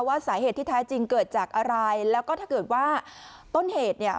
สาเหตุที่แท้จริงเกิดจากอะไรแล้วก็ถ้าเกิดว่าต้นเหตุเนี่ย